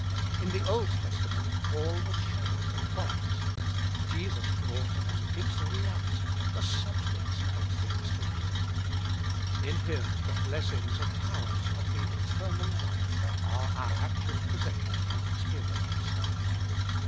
In the Old Testament all was shadow and promise ; Jesus brought and gives the realty, the sub stance, of things hoped for. In Him the blessings and powers of the eternal life are our actual posses sion and experience.